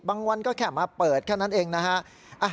วันก็แค่มาเปิดแค่นั้นเองนะฮะ